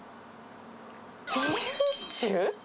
ビーフシチュー？